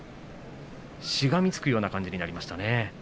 しがみつくような感じになりましたね。